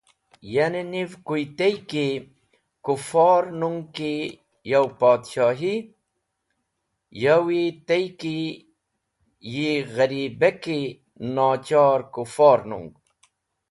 Eni, niv yũwi tey ki kufor nung ki yow Podshohi, yũwi tey ki yi gharibeki nochor kufor nung.